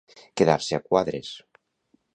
Quedar-se a quadres.